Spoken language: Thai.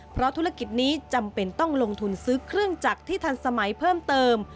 เพราะธุรกิจนี้จำเป็นต้องลงทุนซื้อเครื่องจักรที่ทันสมัยเพิ่มเติม